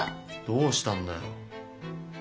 どうしたんだよ。